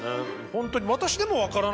ホントに。